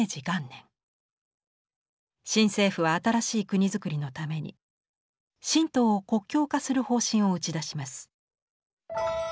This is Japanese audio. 新政府は新しい国造りのために神道を国教化する方針を打ち出します。